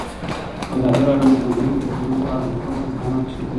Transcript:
ازادي راډیو د د ځنګلونو پرېکول په اړه د حکومت اقدامات تشریح کړي.